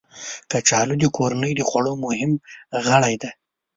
کچالو د کورنۍ د خوړو مهم غړی دی